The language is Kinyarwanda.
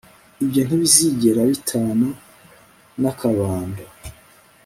Ibyo ntibizigera bitana nakabando